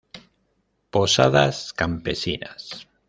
Posadas campesinas.